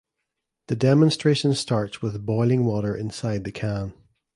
The demonstration starts with boiling water inside the can.